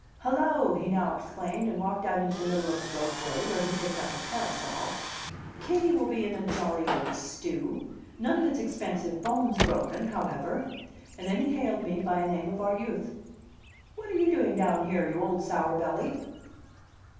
"Hullo!" he now exclaimed, and walked out into the middle of the roadway, where he picked up a parasol. "Kitty will be in a jolly old stew. None of its expensive bones broken however." And then he hailed me by a name of our youth. "What are you doing down here, you old sourbelly?"